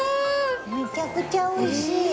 めちゃくちゃ美味しい。